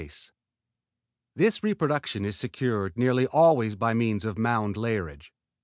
This reproduction is secured nearly always by means of mound layerage.